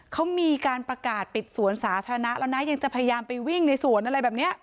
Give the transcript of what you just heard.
เขามีการประกาศปิดสวนสาธารณะแล้วนะยังจะพยายามไปวิ่งในสวนอะไรแบบนี้